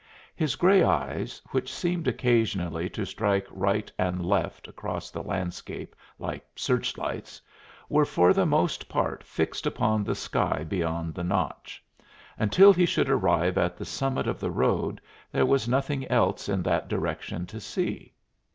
His gray eyes, which seemed occasionally to strike right and left across the landscape, like search lights, were for the most part fixed upon the sky beyond the Notch; until he should arrive at the summit of the road there was nothing else in that direction to see.